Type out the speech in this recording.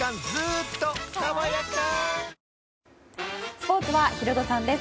スポーツはヒロドさんです。